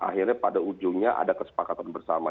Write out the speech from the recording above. akhirnya pada ujungnya ada kesepakatan bersama